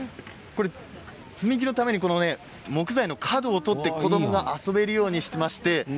積み木のために木材の角を取って子どもが遊べるようにしています。